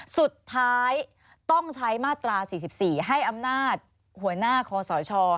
สุดท้ายต้องใช้มาตรา๔๔ให้อำนาจหัวหน้าคอสช